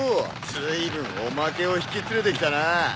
ずいぶんおまけを引き連れてきたなぁ。